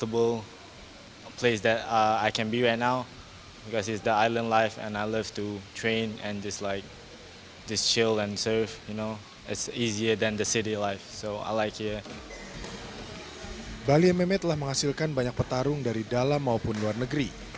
bali mma telah menghasilkan banyak petarung dari dalam maupun luar negeri